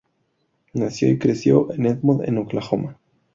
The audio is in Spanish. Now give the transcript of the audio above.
Nació y creció en Edmond en Oklahoma.